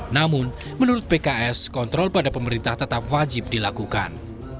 namun menurut pks kontrol pada pemerintah tetap wajib dilakukan